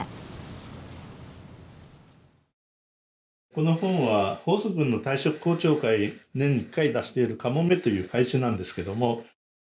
この本は鳳珠郡の退職校長会年に１回出している「かもめ」という会誌なんですけども。